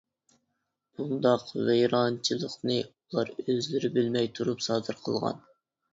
بۇنداق ۋەيرانچىلىقنى ئۇلار ئۆزلىرى بىلمەي تۇرۇپ سادىر قىلغان.